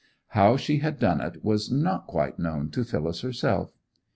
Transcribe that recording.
How she had done it was not quite known to Phyllis herself.